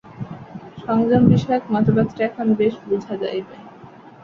সংযম-বিষয়ক মতবাদটি এখন বেশ বুঝা যাইবে।